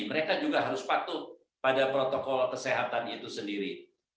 mereka juga harus patuh pada protokol kesehatan itu sendiri